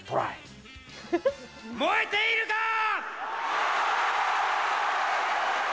燃えているかー！